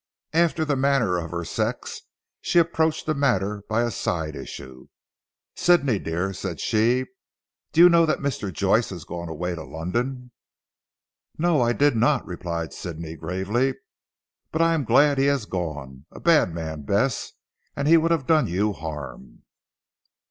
After the manner of her sex she approached the matter by a side issue. "Sidney dear," said she, "do you know that Mr. Joyce has gone away to London?" "No! I did not," replied Sidney gravely, "but I am very glad he has gone. A bad man Bess, and he would have done you harm."